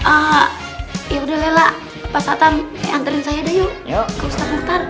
ee yaudah lela pas satam anterin saya dah yuk ke ustadz mukhtar